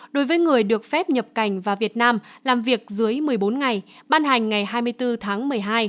đối với người được phép nhập cảnh vào việt nam làm việc dưới một mươi bốn ngày ban hành ngày hai mươi bốn tháng một mươi hai